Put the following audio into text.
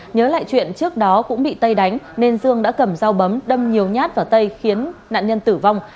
nhớ lại chuyện trước đó cũng bị tây đánh nên dương đã cầm dao bấm đâm nhiều nhát vào tay khiến nạn nhân tử vong